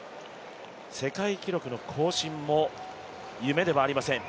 世界記録の更新も夢ではありません。